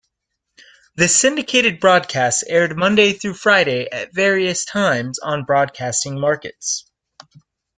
The syndicated broadcasts aired Monday through Friday at various times on broadcasting markets.